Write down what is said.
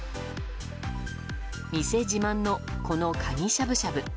店自慢の、このカニしゃぶしゃぶ。